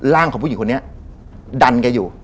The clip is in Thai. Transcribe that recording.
ของผู้หญิงคนนี้ดันแกอยู่